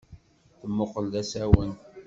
Temmuqqel d asawen.